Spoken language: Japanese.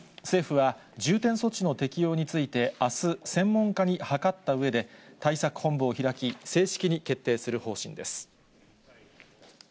政府はじゅうてんそちのてきようについてあす、専門家に諮ったうえで、対策本部を開き、正式に決定する方針です。